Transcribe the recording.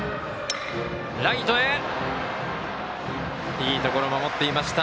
いいところ守っていました